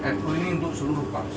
nu ini untuk seluruh bangsa